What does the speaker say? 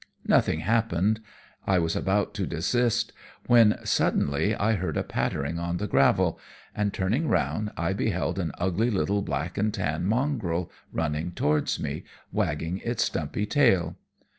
"Nothing happening, I was about to desist, when suddenly I heard a pattering on the gravel, and turning round I beheld an ugly little black and tan mongrel running towards me, wagging its stumpy tail.